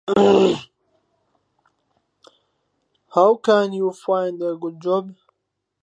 لەگەڵ هەواڵان شوێنمان گرت